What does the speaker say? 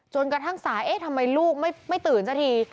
กระทั่งสายเอ๊ะทำไมลูกไม่ตื่นซะที